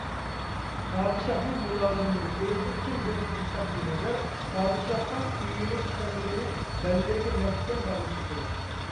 پادىشاھنىڭ مۇلازىملىرى ئۆزىنىڭ كىم بولۇشىدىن قەتئىينەزەر، پادىشاھقا كۆيۈنۈش كەمىرىنى بەللىرىگە مەھكەم باغلىشى كېرەك.